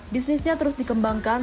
bisnisnya terus dikembangkan